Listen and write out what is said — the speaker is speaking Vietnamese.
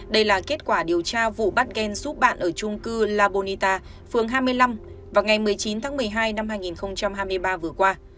đây là kết quả điều tra vụ bắt ghen giúp bạn ở chung cư la bonita phường hai mươi năm vào ngày một mươi chín tháng một mươi hai năm hai nghìn hai mươi ba vừa qua